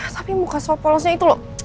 tapi muka swab polosnya itu loh